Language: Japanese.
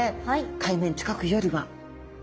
海面近くよりは。